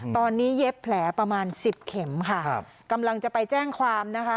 ตอนนี้เย็บแผลประมาณสิบเข็มค่ะครับกำลังจะไปแจ้งความนะคะ